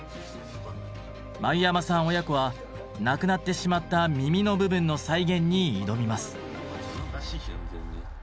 繭山さん親子は無くなってしまった耳の部分の再現に挑みます。